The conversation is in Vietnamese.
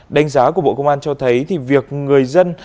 đánh giá của bộ công an cho thấy thì việc người dân